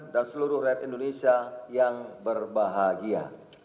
dan seluruh rakyat indonesia yang berbahagia